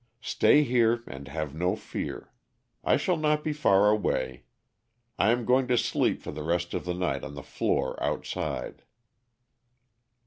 Stay here and have no fear. I shall not be far away. I am going to sleep for the rest of the night on the floor outside."